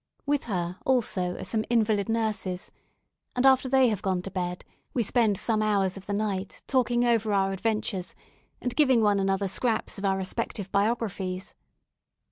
With her, also, are some invalid nurses; and after they have gone to bed, we spend some hours of the night talking over our adventures, and giving one another scraps of our respective biographies.